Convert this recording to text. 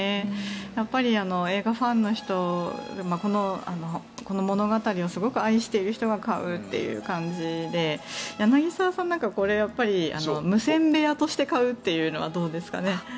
やっぱり映画ファンの人この物語をすごく愛している人が買うっていう感じで柳澤さんなんかはこれやっぱり無線部屋として買うというのはどうですかね。